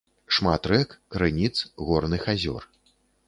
Шмат рэк, крыніц, горных азёр.